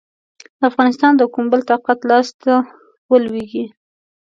افغانستان د کوم بل طاقت لاسته ولوېږي.